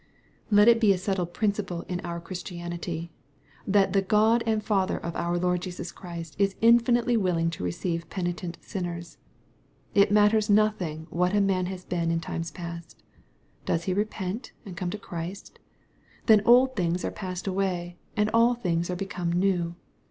Let it be a settled principle in our Christianity, that the God and Father of our Lord Jesus Christ is infinitely willing to receive penitent sinners.— Alt matters nothing what a man has been in time pasti Does he repent, and come to Christ ? Then old things are passed away, and all things are become new.